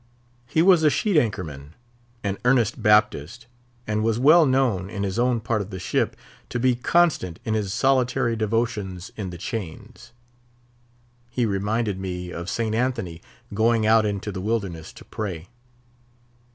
He was a sheet anchor man, an earnest Baptist, and was well known, in his own part of the ship, to be constant in his solitary devotions in the chains. He reminded me of St. Anthony going out into the wilderness to pray.